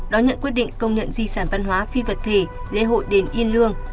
đón nhận quyết định công nhận di sản văn hóa phi vật thể lễ hội đền yên lương